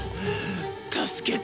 助けて。